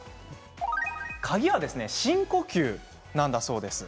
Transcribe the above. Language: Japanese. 鍵は深呼吸なんだそうです。